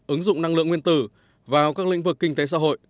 ứng dụng năng lượng nguyên tử vào các lĩnh vực kinh tế xã hội